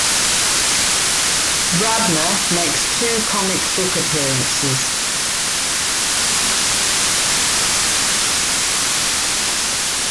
Radner makes two comic book appearances.